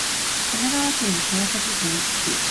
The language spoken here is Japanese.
神奈川県川崎市西区